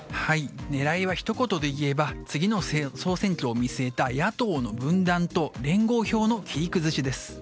狙いは、ひと言でいえば次の総選挙を見据えた野党の分断と連合票の切り崩しです。